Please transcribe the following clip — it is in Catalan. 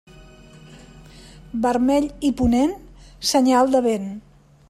Vermell i ponent, senyal de vent.